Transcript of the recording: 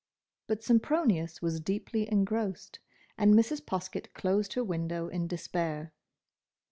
But Sempronius was deeply engrossed, and Mrs. Poskett closed her window in despair.